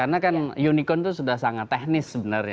karena kan unicorn itu sudah sangat teknis sebenarnya